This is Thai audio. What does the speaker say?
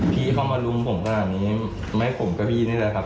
เข้ามารุมผมขนาดนี้ไม่ผมกับพี่นี่แหละครับ